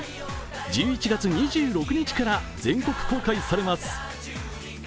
１１月２６日から全国公開されます。